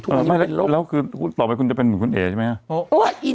ถ้าเราร็วต่อไปคุณจะเป็นคุณเอเนี่ยใช่ไหม